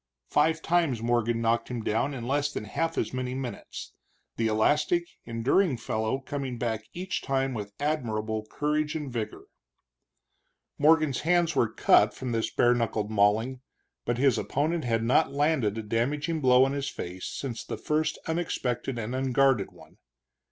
Five times Morgan knocked him down in less than half as many minutes, the elastic, enduring fellow coming back each time with admirable courage and vigor. Morgan's hands were cut from this bare knuckled mauling, but his opponent had not landed a damaging blow on his face since the first unexpected and unguarded one.